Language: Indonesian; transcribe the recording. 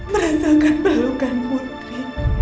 merasakan perlukan putri